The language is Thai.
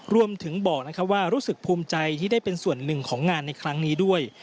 รวมถึงบอกว่ารู้สึกภูมิใจที่ได้เป็นส่วนหนึ่งของงานในครั้งนี้ด้วย